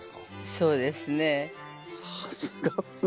そうですね。